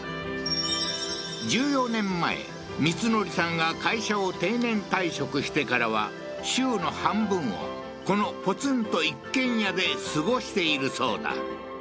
１４年前光則さんが会社を定年退職してからは週の半分をこのポツンと一軒家で過ごしているそうだ